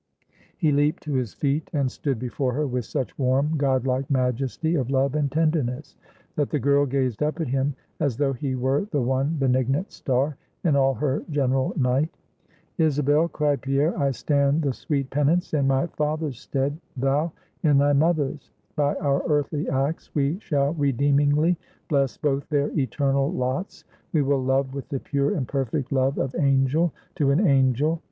He leaped to his feet, and stood before her with such warm, god like majesty of love and tenderness, that the girl gazed up at him as though he were the one benignant star in all her general night. "Isabel," cried Pierre, "I stand the sweet penance in my father's stead, thou, in thy mother's. By our earthly acts we shall redeemingly bless both their eternal lots; we will love with the pure and perfect love of angel to an angel.